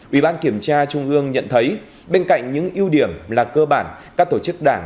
ủy ban kiểm tra trung ương nhận thấy bên cạnh những ưu điểm là cơ bản các tổ chức đảng